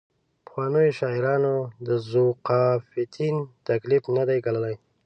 پخوانیو شاعرانو د ذوقافیتین تکلیف نه دی ګاللی.